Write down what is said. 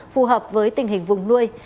phù hợp với tình hình vùng nuôi